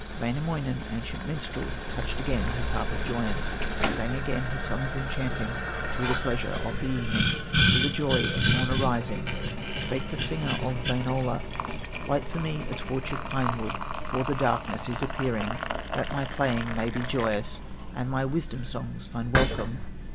Wainamoinen, ancient minstrel, Touched again his harp of joyance, Sang again his songs enchanting, To the pleasure of the evening, To the joy of morn arising. Spake the singer of Wainola: "Light for me a torch of pine wood, For the darkness is appearing, That my playing may be joyous And my wisdom songs find welcome."